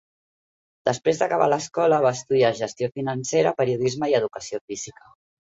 Després d'acabar l'escola, va estudiar gestió financera, periodisme i educació física.